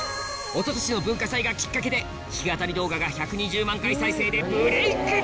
一昨年の文化祭がきっかけで弾き語り動画が１２０万回再生でブレイク！